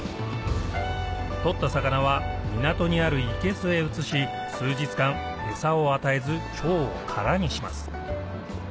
取った魚は港にあるいけすへ移し数日間餌を与えず腸を空にします